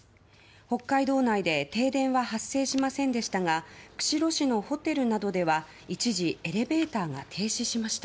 北海道内で停電は発生しませんでしたが釧路市のホテルなどでは一時エレベーターが停止しました。